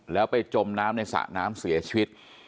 แล้วไปจมน้ำในสระน้ำเสียชีวิต